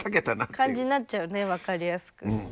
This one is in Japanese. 感じになっちゃうね分かりやすく。